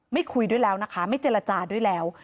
คุยด้วยแล้วนะคะไม่เจรจาด้วยแล้ว